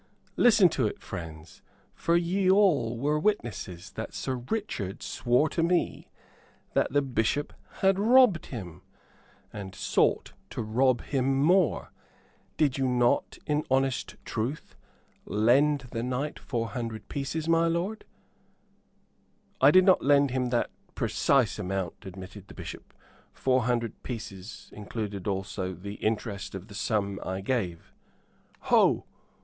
"Listen to it, friends, for ye all were witnesses that Sir Richard swore to me that the Bishop had robbed him, and sought to rob him more. Did not you, in honest truth, lend the knight four hundred pieces, my lord?" "I did not lend him that precise amount," admitted the Bishop. "Four hundred pieces included also the interest of the sum I gave." "Ho!